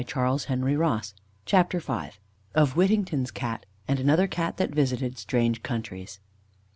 [Illustration: CHAPTER V.] _Of Whittington's Cat, and another Cat that visited Strange Countries.